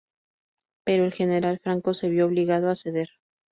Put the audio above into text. Pero el general Franco se vio obligado a ceder.